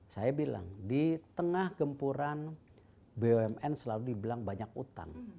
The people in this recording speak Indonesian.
saya bilang di tengah gempuran bumn selalu dibilang banyak utang